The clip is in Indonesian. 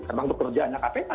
memang bekerjaannya kpk